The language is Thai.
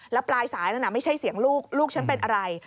แล้วปลายสายนั้นไม่ใช่เสียงลูกลูกฉันเป็นอะไร